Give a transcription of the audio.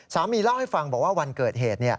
เล่าให้ฟังบอกว่าวันเกิดเหตุ